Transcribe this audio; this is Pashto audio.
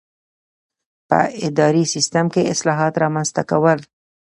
په اداري سیسټم کې اصلاحات رامنځته کول.